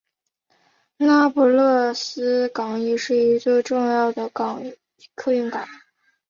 那不勒斯港也是一座重要的客运港。